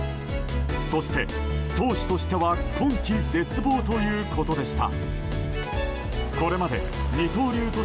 そして、投手としては今季絶望ということでした。